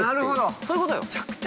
◆そういうことよ。